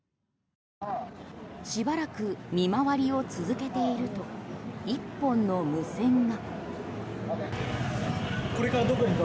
しばらく見回りを続けていると１本の無線が。